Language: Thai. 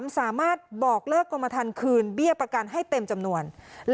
สามารถบอกเลิกกรมทันคืนเบี้ยประกันให้เต็มจำนวน